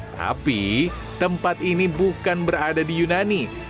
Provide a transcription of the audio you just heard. tapi tempat ini bukan berada di yunani